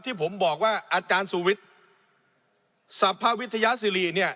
ที่ผมบอกว่าอาจารย์สุวิทย์สรรพวิทยาศิริเนี่ย